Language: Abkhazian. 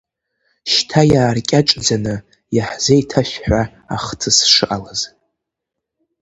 Шьҭа иааркьаҿӡаны иаҳзеиҭашәҳәа ахҭыс шыҟалаз.